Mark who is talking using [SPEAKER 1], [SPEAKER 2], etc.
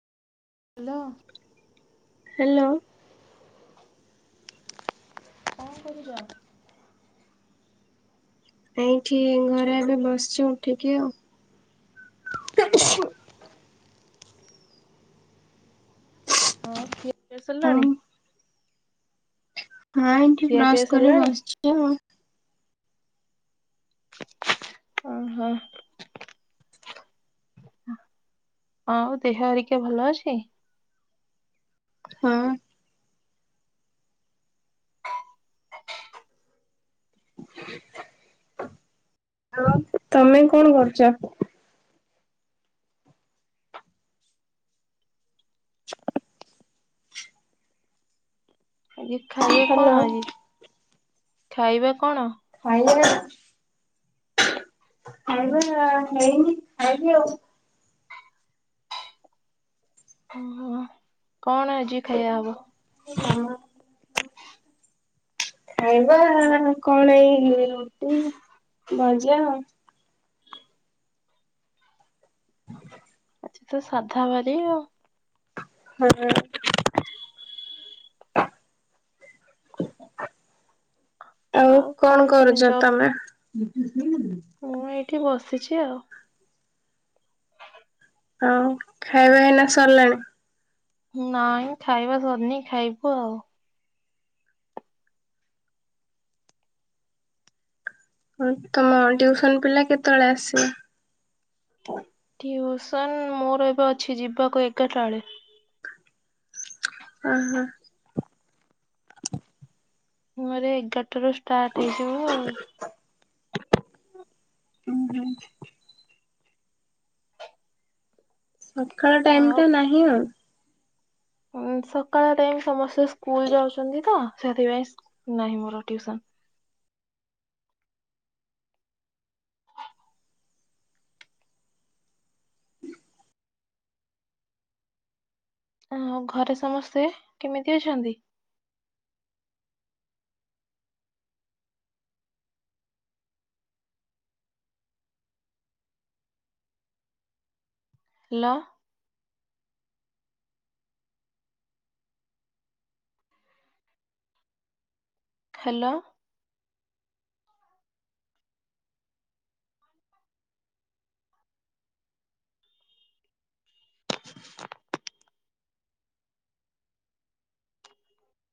[SPEAKER 1] Hello.
[SPEAKER 2] Hello.
[SPEAKER 1] କଣ କରୁଛ?
[SPEAKER 2] ଏଇଠି ଘରେ ଏବେ ବସିଛୁ ଉଠିକି ଆଉ। ତ [unintelligible]
[SPEAKER 1] ହଁ କିସଲ
[SPEAKER 2] ଆଉ
[SPEAKER 1] ଲଣି [unintelligible]
[SPEAKER 2] ହଁ ଏଠି
[SPEAKER 1] ଖିଆ ପିଆ
[SPEAKER 2] କ୍ରସ କରି
[SPEAKER 1] ସରିଲାଣି
[SPEAKER 2] ବସଛି ଆଉ।
[SPEAKER 1] ଓଃହୋ ଆଉ ଦେହ ହେରିକା ଭଲ ଅଛି?
[SPEAKER 2] ହଁ। ଆଉ ତମେ କଣ କରୁଛ?
[SPEAKER 1] ଆଜି ଖାଇବା
[SPEAKER 2] ହ୍ୟାଲୋ
[SPEAKER 1] କଣ ଆଜି ଖାଇବା କଣ?
[SPEAKER 2] ଖାଇଲେ ନା? ଖାଇବା ହେଇନି ଖାଇବି ଆଉ।
[SPEAKER 1] ଓ କଣ ଅଛି ଖାଇଆ ହବ?
[SPEAKER 2] ହ [unintelligible] ଖାଇବା କଣ ଏଇ ରୁଟି ଭଜା।
[SPEAKER 1] ଆଜି ତ ସାଧାାବାରି ଆଉ।
[SPEAKER 2] ହୁଁ। ଆଉ କଣ କରୁଛ ତମେ?
[SPEAKER 1] ମୁଁ ଏଇଠି ବସିଛି ଆଉ।
[SPEAKER 2] ହଉ ଖାଇବା ହେଇନା ସରିଲାଣି।
[SPEAKER 1] ନାଇଁ ଖାଇବା ସରିନି ଖାଇବୁ ଆଉ।
[SPEAKER 2] ହ ତମ ଟିଉସନ ପିଲା କେତେବେଳେ ଆସିବେ?
[SPEAKER 1] ଟିୟୁସନ ମୋର ଏବେ ଅଛି ଯିବାକୁ ଏଗାରଟା ବେଳେ।
[SPEAKER 2] ଅହଂ।
[SPEAKER 1] ମୋରେ ଏଗାରଟାରୁ ଷ୍ଟାର୍ଟ ହେଇଯିବ ଆଉ।
[SPEAKER 2] ଉଁ ହୁଁ। ସକାଳ
[SPEAKER 1] ଆଉ
[SPEAKER 2] ଟାଇମଟା ନାହିଁ ଆଉ।
[SPEAKER 1] ଉଁ ସକାଳ ଟାଇମ୍ ସମସ୍ତେ ସ୍କୁଲ୍ ଯାଉଛନ୍ତି ତ ସେଥିପାଇଁ ନାହିଁ ମୋର ଟ୍ୟୁସନ୍। ଆ ଘରେ ସମସ୍ତେ କେମିତି ଅଛନ୍ତି। ହାଲ। ହାଲୋ।